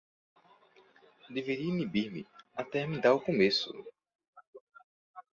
deveria inibir-me até de dar começo.